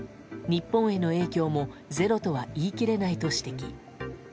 日本の影響もゼロとは言い切れないと指摘。